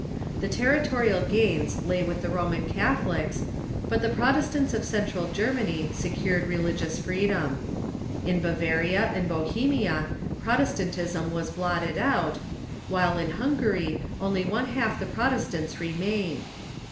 The territorial gains lay Avith the Roman Catholics, but the Protestants of Central Germany secured re THE TROTESTANT EMIGRATION TO AMERICA 317 ligious freedom. In Bavaria and Bohemia Protestantism was blotted out, wliile in Hungary only one half the Protestants remained.